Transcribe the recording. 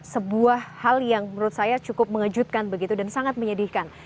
sebuah hal yang menurut saya cukup mengejutkan begitu dan sangat menyedihkan